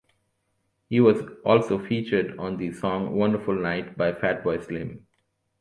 He was also featured on the song "Wonderful Night" by Fatboy Slim.